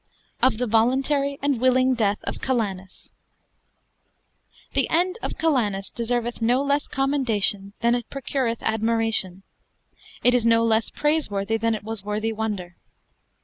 OF THE VOLUNTARY AND WILLING DEATH OF CALANUS The ende of Calanus deserveth no lesse commendation than it procureth admiration; it is no less praiseworthy than it was worthy wonder.